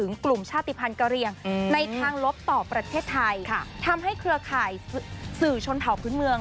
ในทางลบต่อประเทศไทยค่ะทำให้เครือข่ายสื่อชนเผาพื้นเมือง